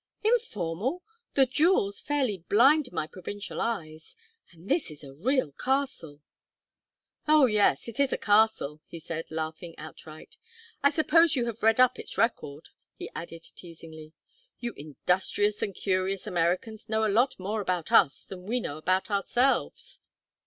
"Informal! The jewels fairly blind my provincial eyes. And this is a real castle!" "Oh yes, it is a castle," he said, laughing outright. "I suppose you have read up its record?" he added, teasingly. "You industrious and curious Americans know a lot more about us than we know about ourselves."